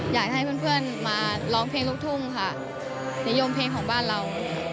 อยากให้เพื่อนมาร้องเพลงลูกทุ่งค่ะนิยมเพลงของบ้านเรา